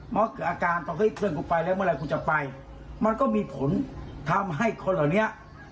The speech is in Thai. มันก็เกิดอาการต้องให้เพื่อนกูไปแล้วเมื่อไหร่กูจะไปมันก็มีผลทำให้คนเหล่านี้